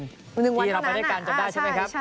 ที่ก็ไปด้วยกันิกันใช่มั้ยครับ